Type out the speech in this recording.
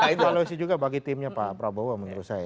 evaluasi juga bagi timnya pak prabowo menurut saya